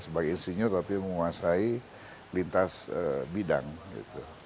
sebagai insinyur tapi menguasai lintas bidang gitu